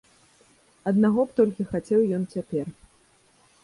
Аднаго б толькі хацеў ён цяпер.